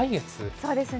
そうですね。